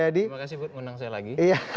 terima kasih bu undang saya lagi